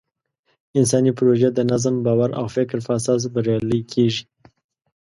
انساني پروژې د نظم، باور او فکر په اساس بریالۍ کېږي.